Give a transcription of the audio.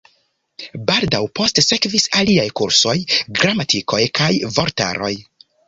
Baldaŭ poste sekvis aliaj kursoj, gramatikoj kaj vortaroj.